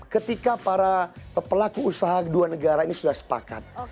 ketika para pelaku usaha kedua negara ini sudah sepakat